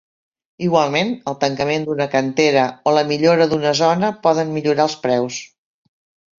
Igualment, el tancament d'una cantera o la millora d'una zona poden millorar els preus.